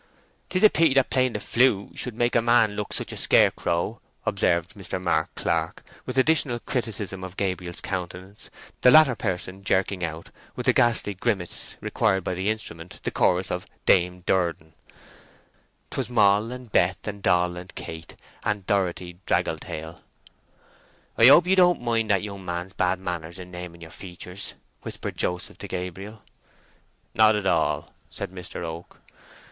"'Tis a pity that playing the flute should make a man look such a scarecrow," observed Mr. Mark Clark, with additional criticism of Gabriel's countenance, the latter person jerking out, with the ghastly grimace required by the instrument, the chorus of "Dame Durden:"— 'Twas Moll' and Bet', and Doll' and Kate', And Dor' othy Drag' gle Tail'. "I hope you don't mind that young man's bad manners in naming your features?" whispered Joseph to Gabriel. "Not at all," said Mr. Oak.